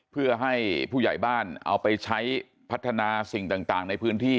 เพื่อให้ผู้ใหญ่บ้านเอาไปใช้พัฒนาสิ่งต่างในพื้นที่